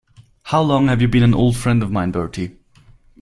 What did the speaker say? How long have you been an old friend of mine, Bertie?